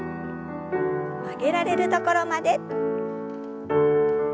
曲げられるところまで。